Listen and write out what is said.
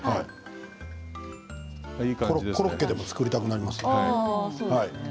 コロッケでも作りたくなりますね。